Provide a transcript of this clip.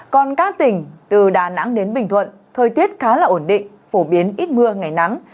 còn các tỉnh từ đà nẵng đến bình thuận thời tiết khá là ổn định phổ biến ít mưa ngày nắng